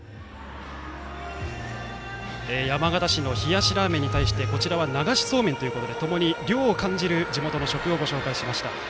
山形市の冷やしラーメンに対してこちらは流しそうめんということでともに涼を感じる地元の食をご紹介しました。